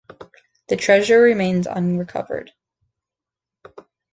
The treasure remains unrecovered.